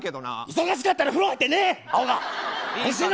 忙しかったら風呂に入って寝ろ。